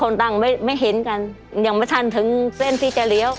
อย่างเมื่อทันถึงเส้นที่จะเลี้ยว